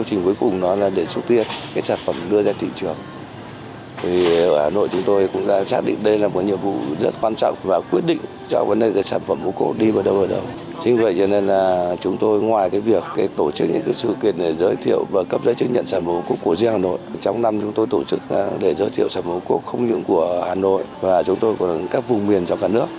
trong năm chúng tôi tổ chức để giới thiệu sản phẩm ô cốp không những của hà nội và chúng tôi của các vùng miền trong cả nước